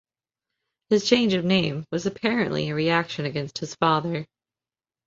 His change of name was apparently a reaction against his father.